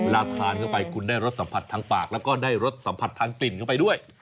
ทานเข้าไปคุณได้รสสัมผัสทางปากแล้วก็ได้รสสัมผัสทางกลิ่นเข้าไปด้วย